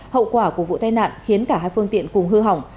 hậu quả của vụ tai nạn khiến cả hai phương tiện cùng hư hỏng